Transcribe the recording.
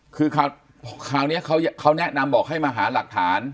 คือคราวนี้เขาแนะนำบอกให้มาหาหลักฐาน